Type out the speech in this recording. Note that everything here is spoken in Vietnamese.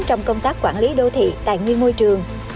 trong công tác quản lý đô thị tài nguyên môi trường